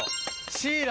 シイラ？